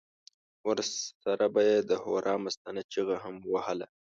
ورسره به یې د هورا مستانه چیغه هم وهله.